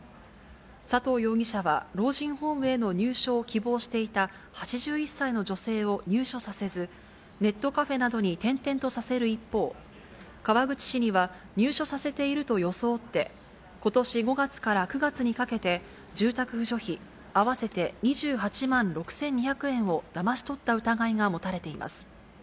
佐藤容疑者は老人ホームへの入所を希望していた８１歳の女性を入所させず、ネットカフェなどに転々とさせる一方、川口市には入所させていると装って、ことし５月から９月にかけて、住宅扶助費合わせて２８万６２００円をだまし取った疑いが持たれています。